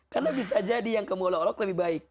karena bisa jadi yang kamu olok olok lebih baik